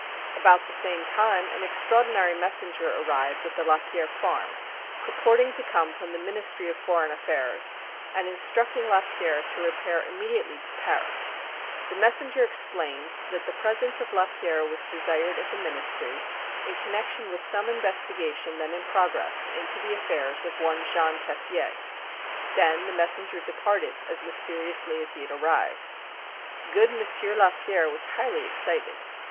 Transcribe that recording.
About the same time an extraordinary messenger arrived at the Lapierre farm, purporting to come from the Ministry of Foreign Affairs, and instructing Lapierre to repair immediately to Paris. The messenger explained that the presence of Lapierre was desired at the Ministry in connection with some investigation then in progress into the affairs of one Jean Tessier. Then the messenger departed as mysteriously as he had arrived. Good M. Lapierre was highly excited.